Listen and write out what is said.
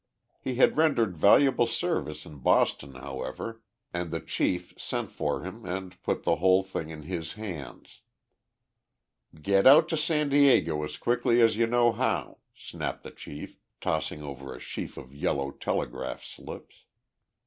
He had rendered valuable service in Boston, however, and the chief sent for him and put the whole thing in his hands. "Get out to San Diego as quickly as you know how," snapped the chief, tossing over a sheaf of yellow telegraph slips.